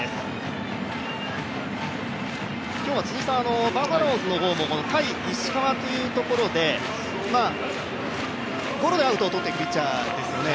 今日はバファローズの方も対石川というところでゴロでアウトを取っていくピッチャーですよね。